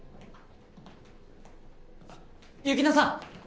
雪乃さん！